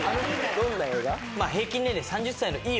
どんな映画？